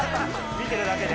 見てるだけで？